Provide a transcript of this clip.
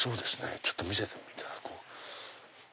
ちょっと見せていただこう。